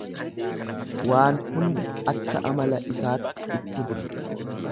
Waan hunda akka amala isaatti itti bulu.